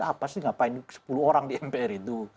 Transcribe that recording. apa sih ngapain sepuluh orang di mpr itu